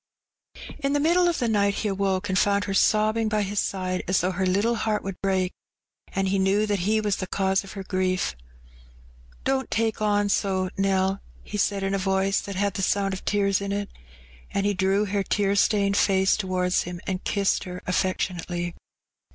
Tempted. 95 In the middle of the night he awoke and found her sob bing by his side as though her httle heart wonld break, and he knew that he was the cause of her grief. " Don't take on so, Nell," he said, in a voice that had the BOiud of tears in it. And he drew her tear stained face towards him and kissed her affectionately.